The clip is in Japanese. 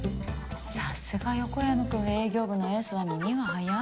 さすが横山君営業部のエースは耳が早い。